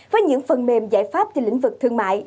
với những phần mềm giải pháp trên lĩnh vực thương mại